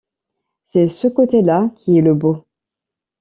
C’est ce côté-là qui est le beau.